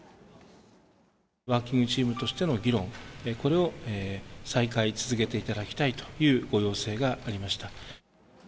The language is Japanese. ワーキングチームとしての議論、これを再開、続けていただきたいというご要請がありました。